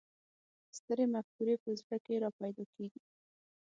سترې مفکورې په زړه کې را پیدا کېږي.